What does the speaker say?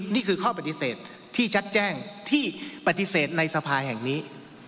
นี่คือข้อปฏิเสธที่ชัดแจ้งที่ปฏิเสธในสภาแห่งนี้